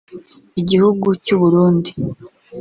Igihugu cy’u Burundi